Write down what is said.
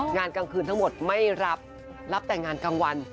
งานกลางคืนทั้งหมดไม่รับรับแต่งงานกลางวัน